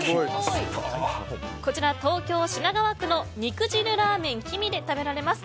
こちら、東京・品川区の肉汁らーめん公で食べられます。